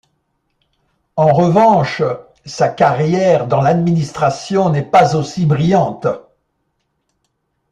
En revanche, sa carrière dans l'administration n'est pas aussi brillante.